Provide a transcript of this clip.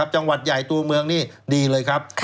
จังหวัดใหญ่ตัวเมืองนี่ดีเลยครับ